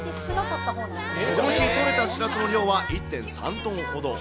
この日取れたしらすの量は１．３トンほど。